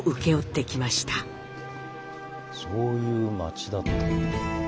そういう町だったんだ。